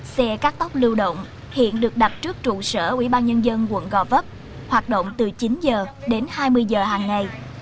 xe cắt tóc lưu động hiện được đặt trước trụ sở ubnd quận gò vấp hoạt động từ chín h đến hai mươi h hàng ngày